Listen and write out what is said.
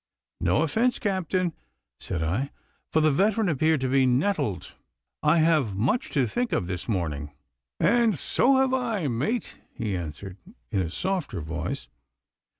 'No offence, Captain,' said I, for the veteran appeared to be nettled; 'I have much to think of this morning.' 'And so have I, mate,' he answered, in a softer voice.